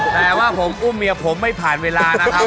แต่ว่าผมอุ้มเมียผมไม่ผ่านเวลานะครับ